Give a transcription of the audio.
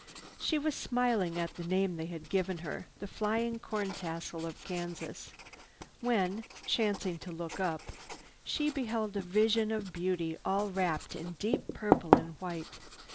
She was smiling at the name they had given her, "The Flying Corntassel of Kansas," when, chancing to look up, she beheld a vision of beauty all wrapped in deep purple and white.